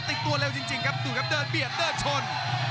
ตีตัวเร็วจริงกับเดินเย็นเดินชน